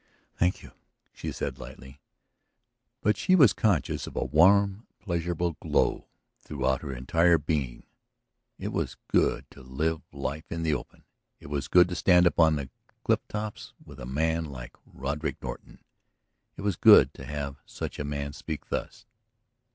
"Thank you," she said lightly. But she was conscious of a warm pleasurable glow throughout her entire being. It was good to live life in the open, it was good to stand upon the cliff tops with a man like Roderick Norton, it was good to have such a man speak thus.